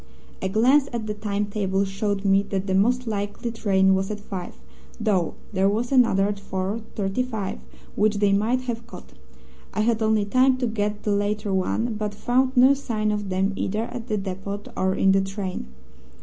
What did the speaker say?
"A glance at the time table showed me that the most likely train was at five, though there was another at 4:35 which they might have caught. I had only time to get the later one, but found no sign of them either at the depot or in the train.